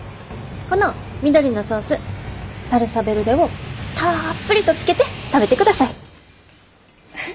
この緑のソースサルサ・ヴェルデをたっぷりとつけて食べてください。